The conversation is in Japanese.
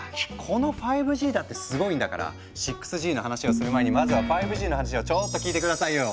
この５Ｇだってすごいんだから６Ｇの話をする前にまずは５Ｇの話をちょっと聞いて下さいよ。